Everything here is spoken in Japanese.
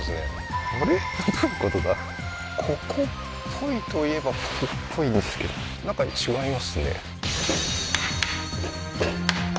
ここっぽいといえばここっぽいんですけどなんか違いますね